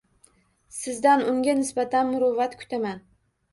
Sizdan unga nisbatan muruvvat kutaman.